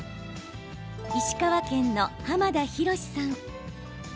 石川県の浜田浩史さん。